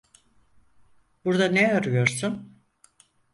Burda ne arıyorsun?